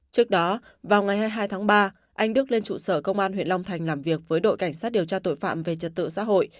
trước đó vào ngày hai mươi hai tháng ba anh đức lên trụ sở công an huyện long thành làm việc với đội cảnh sát điều tra tội phạm về trật tự xã hội